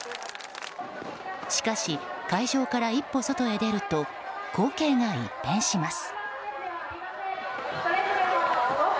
しかし、会場から一歩外へ出ると光景が一変します。